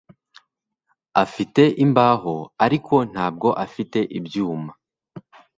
Afite imbaho ariko ntabwo afite ibyuma